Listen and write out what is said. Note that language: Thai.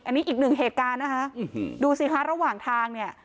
อันนี้อีกหนึ่งเหตุการณ์นะคะดูสิคะระหว่างทางเนี่ย